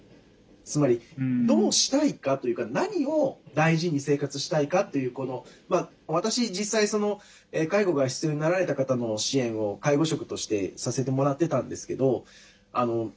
つまりどうしたいかというか何を大事に生活したいかという私実際介護が必要になられた方の支援を介護職としてさせてもらってたんですけどそういったものですね